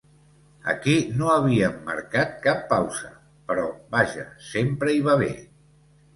Aquí no havíem marcat cap pausa, però vaja, sempre hi va bé.